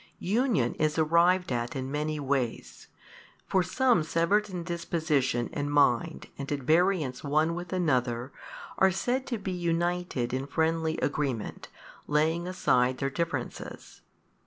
Union is arrived at in many ways: for some severed in disposition and mind and at variance one with another are said to be united in friendly agreement, laying aside their differences.